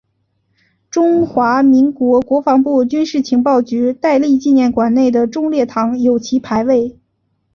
中华民国国防部军事情报局戴笠纪念馆内的忠烈堂有其牌位。